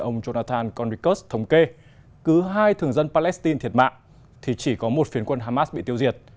ông jonathan connicus thống kê cứ hai thường dân palestine thiệt mạng thì chỉ có một phiến quân hamas bị tiêu diệt